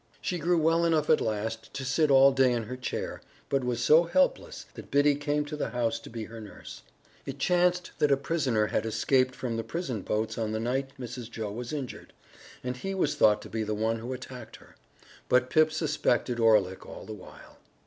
She grew well enough at last to sit all day in her chair, but was so helpless that Biddy came to the house to be her nurse. It chanced that a prisoner had escaped from the prison boats on the night Mrs. Joe was injured, and he was thought to be the one who attacked her. But Pip suspected Orlick all the while.